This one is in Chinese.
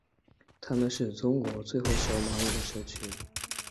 他们是中国最后使用满语的社区。